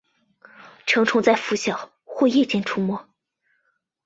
成虫在拂晓或夜间出没。